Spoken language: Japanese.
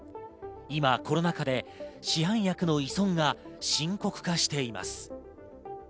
今、コロナ禍で市販薬の依存が深刻化しています。